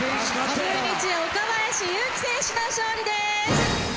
中日・岡林勇希選手の勝利です。